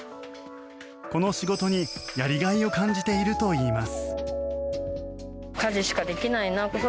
この仕事にやりがいを感じているといいます。